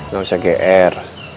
gak usah gr